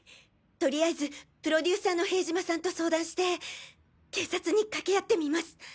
とりあえずプロデューサーの塀島さんと相談して警察に掛け合ってみます！